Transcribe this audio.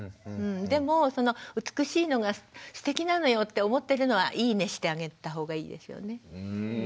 でも美しいのがすてきなのよって思ってるのはいいねしてあげた方がいいですよね。